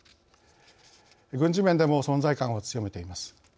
軍事面でも存在感を強めています。